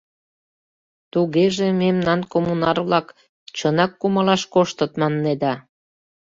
Тугеже, мемнан коммунар-влак чынак кумалаш коштыт, маннеда?